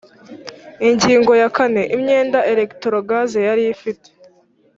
ingingo ya kane imyenda electrogaz yari ifite